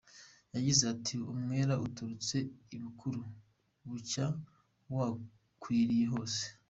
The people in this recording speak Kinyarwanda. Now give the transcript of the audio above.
Yagize ati "umwera uturutse ibukuru bucya wakwiriye hose.